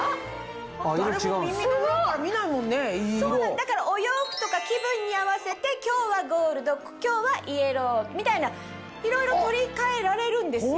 だからお洋服とか気分に合わせて今日はゴールド今日はイエローみたいないろいろ取り換えられるんですよ。